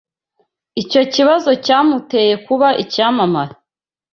Icyo kibazo cyamuteye kuba icyamamare.